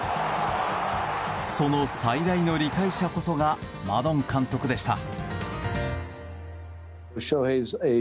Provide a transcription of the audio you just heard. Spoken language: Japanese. その最大の理解者こそがマドン監督でした。